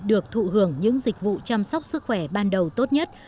được thụ hưởng những dịch vụ chăm sóc sức khỏe ban đầu tốt nhất